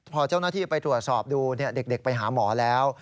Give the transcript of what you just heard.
พอเจ้าหน้าที่ไปตรวจสอบดูเด็กไปหาหมอแล้ว